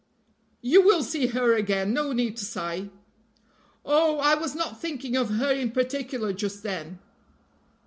"You will see her again no need to sigh." "Oh, I was not thinking of her in particular just then."